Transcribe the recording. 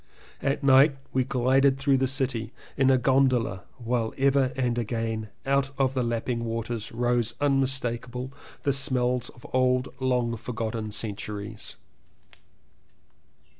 At night we glided through the city in a gondola while ever and again out of the lapping water rose unmistakable the smells of old long forgotten centuries.